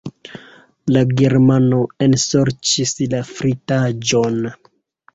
La Germano ensorĉis la fritaĵon.